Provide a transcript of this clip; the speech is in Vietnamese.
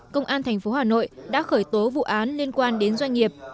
công an tp hà nội đã khởi tố vụ án liên quan đến doanh nghiệp